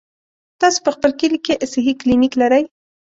تاسې په خپل کلي کې صحي کلينيک لرئ؟